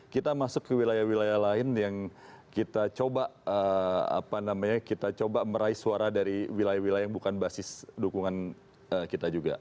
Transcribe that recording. kita masuk ke wilayah wilayah lain yang kita coba meraih suara dari wilayah wilayah yang bukan basis dukungan kita juga